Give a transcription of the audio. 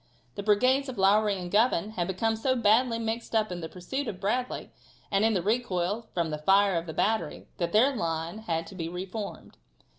The brigades of Lowrey and Govan had become so badly mixed up in the pursuit of Bradley, and in the recoil from the fire of the battery, that their line had to be reformed.